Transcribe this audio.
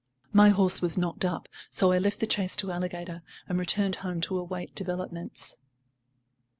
My horse was knocked up, so I left the chase to Alligator and returned home to await developments.